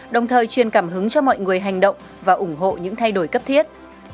đồng thời truyền cảm hứng cho mọi người hành động và ủng hộ những thay đổi cấp thiết